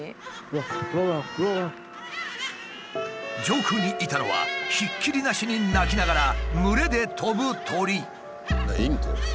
上空にいたのはひっきりなしに鳴きながら群れで飛ぶ鳥。